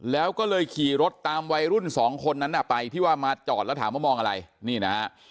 แล้วก็เลยขี่รถตามวัยรุ่นสองคนนั้นไปที่ว่ามาจอดแล้วถามว่ามองอะไรนี่นะฮะ